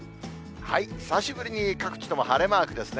久しぶりに各地とも晴れマークですね。